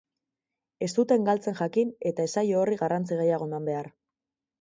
Ez zuten galtzen jakin eta ez zaio horri garrantzi gehiago eman behar.